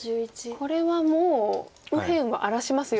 これはもう右辺は荒らしますよと。